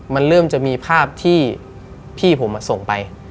มันเริ่มจะมีภาพที่พี่ผมส่งไป